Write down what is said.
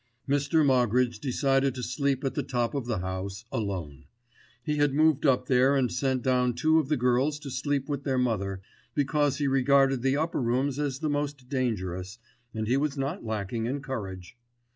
Mr. Moggridge decided to sleep at the top of the house—alone. He had moved up there and sent down two of the girls to sleep with their mother, because he regarded the upper rooms as the most dangerous, and he was not lacking in courage.